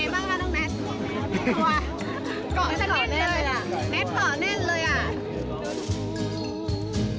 เมตต่อเน่นเลยอ่ะเมตต่อเน่นเลย